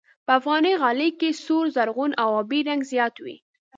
په افغاني غالۍ کې سور، زرغون او آبي رنګ زیات وي.